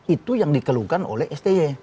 itu yang dikeluhkan oleh sti